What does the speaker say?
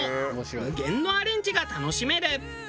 無限のアレンジが楽しめる。